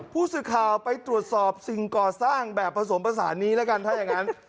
ผู้สื่อข่าวไปตรวจสอบสิ่งก่อสร้างแบบผสมผสานนี้แล้วกันถ้าอย่างนั้น